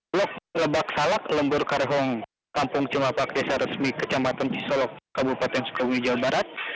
blok lebak salak lembur karehong kampung cimapak desa resmi kecamatan cisolok kabupaten sukabumi jawa barat